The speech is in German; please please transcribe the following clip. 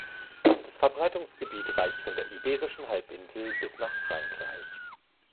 Das Verbreitungsgebiet reicht von der Iberischen Halbinsel bis nach Frankreich.